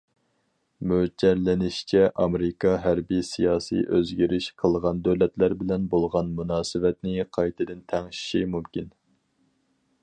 مۆلچەرلىنىشىچە، ئامېرىكا ھەربىي سىياسىي ئۆزگىرىش قىلغان دۆلەتلەر بىلەن بولغان مۇناسىۋەتنى قايتىدىن تەڭشىشى مۇمكىن.